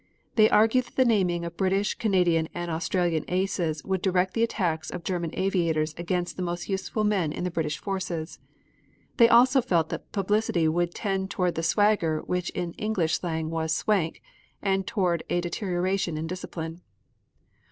They argued that the naming of British, Canadian and Australian aces would direct the attacks of German aviators against the most useful men in the British forces. They also felt that publicity would tend toward the swagger which in English slang was "swank" and toward a deterioration in discipline.